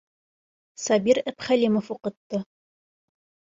Сабир Әбхәлимов уҡытты.